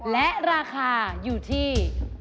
และราคาอยู่ที่